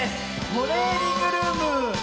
トレーニングルーム。